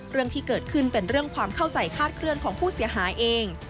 เรื่องที่เกิดขึ้นเป็นเรื่องความเข้าใจคาดเคลื่อนของผู้เสียหายเอง